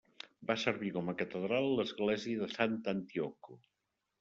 Va servir com a catedral l'església de Sant'Antioco.